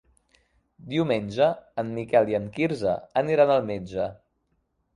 Diumenge en Miquel i en Quirze aniran al metge.